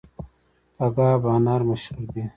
تګاب انار مشهور دي؟